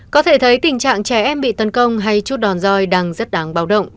có thể thấy tình trạng trẻ em bị tấn công hay chút đòn roi đang rất đáng báo động